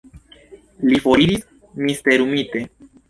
Li foriris, misterumite.